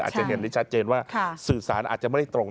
อาจจะเห็นได้ชัดเจนว่าสื่อสารอาจจะไม่ได้ตรง